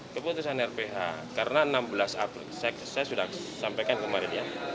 keputusan rph karena enam belas april saya sudah sampaikan kemarin ya